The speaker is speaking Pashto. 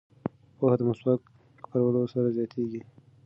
پوهه د مسواک په کارولو سره زیاتیږي.